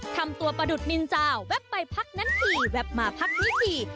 ทำตัวประดุษมินเจ้าแวบไปพักนั้นทีแป๊บมาพักนี้ที